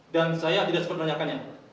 dan saya tidak sepertanya kannya